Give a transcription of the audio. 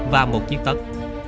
và một chiếc tất